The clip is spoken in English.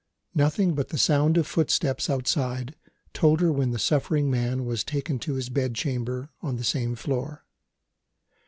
Nothing but the sound of footsteps, outside, told her when the suffering man was taken to his bed chamber on the same floor.